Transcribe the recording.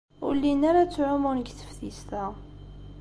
Ur llin ara ttɛumun deg teftist-a.